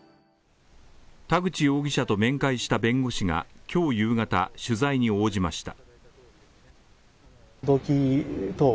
田口容疑者と面会した弁護士が、今日夕方、取材に応じました。